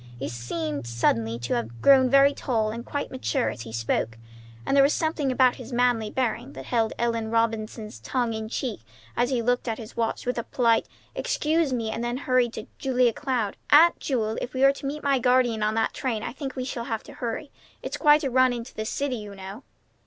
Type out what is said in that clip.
He suddenly seemed to have grown very tall and quite mature as he spoke, and there was something about his manly bearing that held Ellen Robinson's tongue in check as he looked at his watch with a polite "Excuse me," and then turned to Julia Cloud. "Aunt Jewel, if we are to meet my guardian on that train, I think we shall have to hurry. It's quite a run into the city, you know."